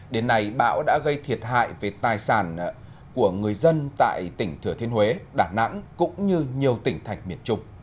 đến nay bão đã gây thiệt hại về tài sản của người dân tại tỉnh thừa thiên huế đà nẵng cũng như nhiều tỉnh thạch miền trung